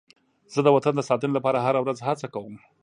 زه د وطن د ساتنې لپاره هره ورځ هڅه کوم.